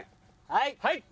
はい！